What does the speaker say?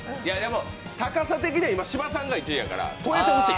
でも高さ的には今、芝さんが１位だから、そこ、超えてほしい。